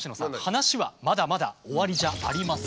話はまだまだ終わりじゃありません。